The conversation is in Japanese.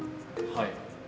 はい。